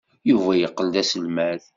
Yuba yeqqel d aselmad.